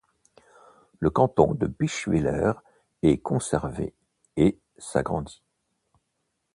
Le canton de Bischwiller est conservé et s'agrandit.